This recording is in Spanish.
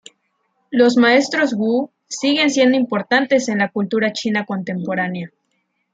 Los maestros "Wu" siguen siendo importantes en la cultura china contemporánea.